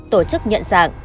tổ chức nhận rằng